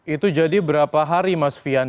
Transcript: itu jadi berapa hari mas fian